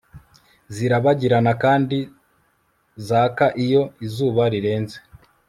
zirabagirana kandi zaka iyo izuba rirenze